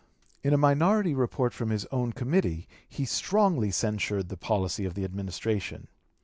In a minority report from his own committee he strongly censured the policy of the Administration.